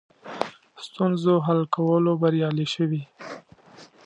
ستونزو حل کولو بریالي شوي.